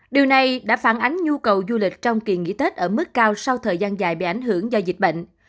điều này đã phản ánh nhu cầu du lịch trong kỳ nghỉ tết ở mức cao sau thời gian dài bị ảnh hưởng do dịch bệnh